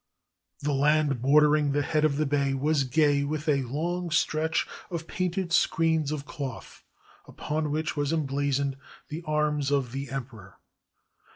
The land border ing the head of the bay was gay with a long stretch of painted screens of cloth, upon which was emblazoned the arms of the Emperor.